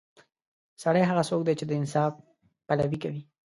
سړی هغه څوک دی چې د انصاف پلوي کوي.